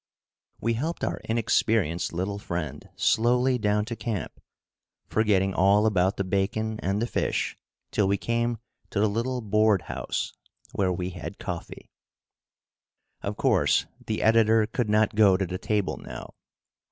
We helped our inexperienced little friend slowly down to camp, forgetting all about the bacon and the fish till we came to the little board house, where we had coffee. Of course the editor could not go to the table now.